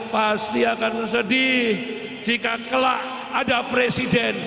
pasti akan sedih jika kelak ada presiden